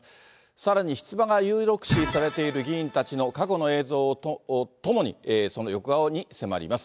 さらに出馬が有力視されている議員たちの過去の映像とともに、その横顔に迫ります。